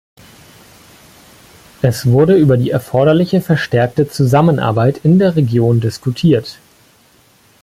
Es wurde über die erforderliche verstärkte Zusammenarbeit in der Region diskutiert.